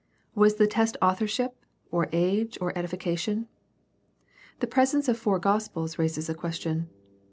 Was the test authorship, or age, or edification ? The presence of four gospels raises a question.